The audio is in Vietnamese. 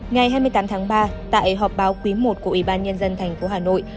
ngày hai mươi tám tháng ba tại họp báo quý i của ủy ban nhân dân tp hà nội